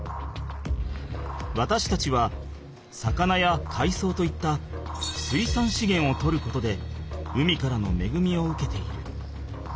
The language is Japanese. わたしたちは魚やかいそうといった水産資源をとることで海からのめぐみを受けている。